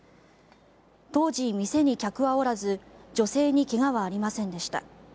当時、店に客はおらず女性に怪我はありませんでした。